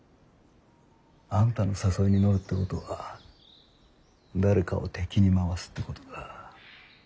あんたの誘いに乗るってことは誰かを敵に回すってことだ。